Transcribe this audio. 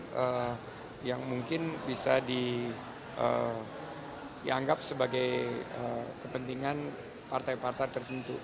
kepentingan yang mungkin bisa dianggap sebagai kepentingan partai partai tertentu